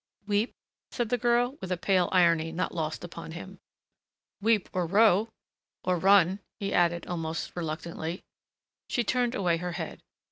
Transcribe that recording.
"Weep?" said the girl with a pale irony not lost upon him. "Weep or row. Or run," he added, almost reluctantly. She turned away her head.